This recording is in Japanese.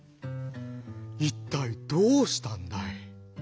「いったいどうしたんだい？」。